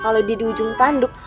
kalau di ujung tanduk